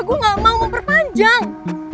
gue gak mau memperpanjang